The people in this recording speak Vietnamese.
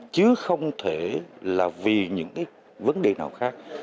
chứ không thể là vì những cái vấn đề nào khác